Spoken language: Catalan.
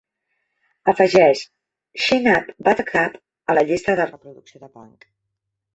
Afegeix Chin-Up Buttercup a la llista de reproducció de punk.